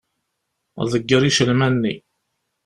Ḍegger icelman-nni.